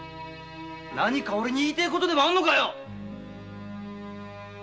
何か俺に言いたいことでもあるのかよ！